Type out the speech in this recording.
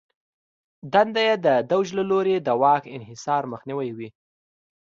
دنده یې د دوج له لوري د واک انحصار مخنیوی و